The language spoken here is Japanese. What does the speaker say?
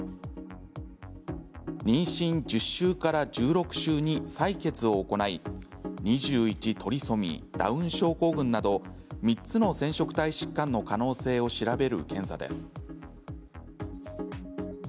妊娠１０週から１６週に採血を行い２１トリソミー・ダウン症候群など３つの染色体疾患の可能性を調べる検査です。